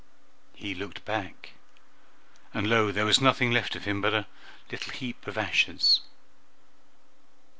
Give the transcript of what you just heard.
He looked back, and lo! there was nothing left of him but a little heap of ashes!